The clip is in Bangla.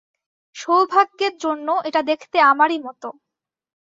সৌভাগ্যের জন্য, এটা দেখতে আমারই মত।